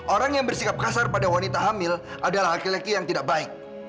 orang yang bersikap kasar pada wanita hamil adalah laki laki yang tidak baik